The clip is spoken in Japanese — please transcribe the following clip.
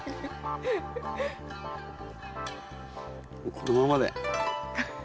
このままで。